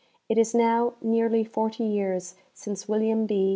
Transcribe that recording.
It is now nearly forty years since William B.